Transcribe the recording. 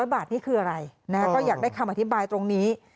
๐บาทนี่คืออะไรก็อยากได้คำอธิบายตรงนี้